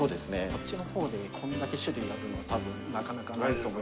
こっちの方でこれだけ種類あるの多分なかなかないと思います。